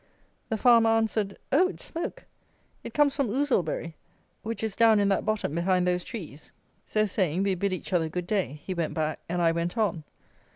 The farmer answered, "Oh, it's smoke; it comes from Ouselberry, which is down in that bottom behind those trees." So saying, we bid each other good day; he went back, and I went on.